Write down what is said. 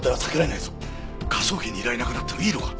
科捜研にいられなくなってもいいのか？